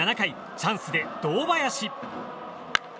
チャンスで堂林。